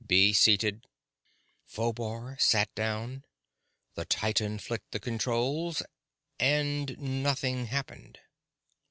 "Be seated!" Phobar sat down, the titan flicked the controls and nothing happened.